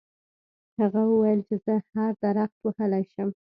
هغه وویل چې زه هر درخت وهلی شم.